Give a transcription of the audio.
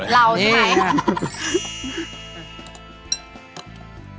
เราใช่ไหม